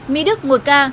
mỹ đức một ca